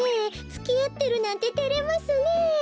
つきあってるなんててれますねえ。